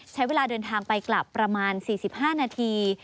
ใช้เวลาเดินทางไปกลับประมาณ๔๕นาที